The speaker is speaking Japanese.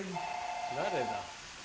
誰だ？